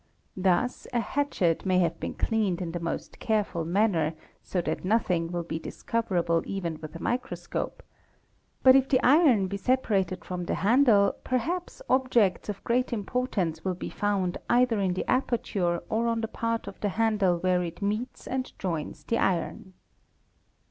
'Thus a hatchet may "27 os ° 210 THE MICROSCOPIST have been cleaned in the most careful manner, so that nothing will be — discoverable even with a microscope; but if the iron be separated from | the handle perhaps objects of great importance will be found either in the aperture or on the part of the handle where it meets and joins the iron.